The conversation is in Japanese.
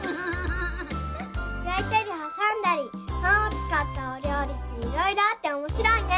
やいたりはさんだりパンをつかったおりょうりっていろいろあっておもしろいね！